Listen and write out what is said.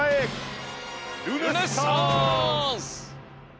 ルネッサンス！